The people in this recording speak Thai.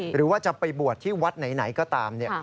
หรือว่าจะไปบวชที่วัดไหนก็ตาม